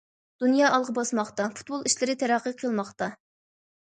دۇنيا ئالغا باسماقتا، پۇتبول ئىشلىرى تەرەققىي قىلماقتا.